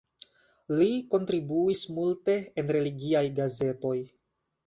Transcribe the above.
Li kontribuis multe en religiaj gazetoj.